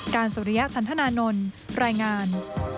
สุริยะฉันธนานนท์รายงาน